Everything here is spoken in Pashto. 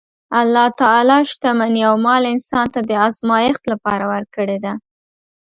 الله تعالی شتمني او مال انسان ته د ازمایښت لپاره ورکړې ده.